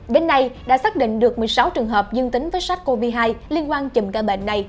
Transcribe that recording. đến nay đã xác định được một mươi sáu trường hợp dương tính với sars cov hai liên quan chùm ca bệnh này